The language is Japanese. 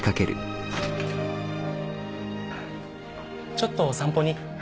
ちょっと散歩に。